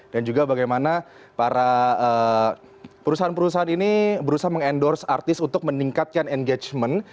dan juga bagaimana para perusahaan perusahaan ini berusaha mengendorse artis untuk meningkatkan engagement